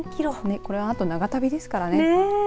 このあと長旅ですからね。